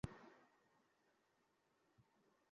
কেউ তাকে ঘরে নিয়ে যা।